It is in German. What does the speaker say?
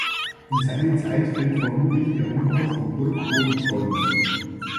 In seine Zeit fällt vermutlich der Umbau von Burg Hohensolms.